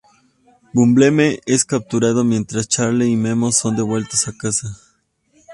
Bumblebee es capturado mientras Charlie y Memo son devueltos a casa.